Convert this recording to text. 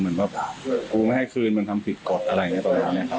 เหมือนแบบกูไม่ให้คืนมันทำผิดกฎอะไรอย่างเงี้ยตอนนี้ครับ